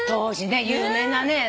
有名なね。